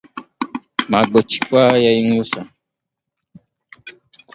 ma gbochikwa ya inwusà